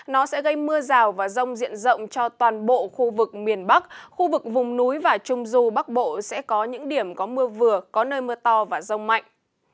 nó sẽ gây mưa rào và rông diện rộng cho toàn bộ khu vực miền bắc khu vực vùng núi và trung du bắc bộ sẽ có những điểm có mưa vừa có nơi mưa to và rông mạnh